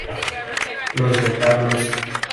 Los retablos